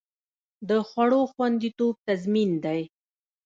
د خوړو خوندیتوب تضمین دی؟